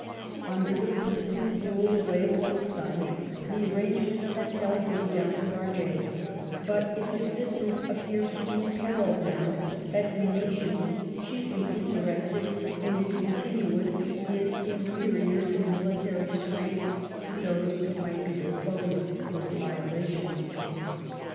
Under the prudent rule of Leopold's son, the arrangement has held good down to our day, but its existence appears to be imperilled now that the nation chiefly interested in its continuance is inferior in military strength to those which might be disposed to its violation.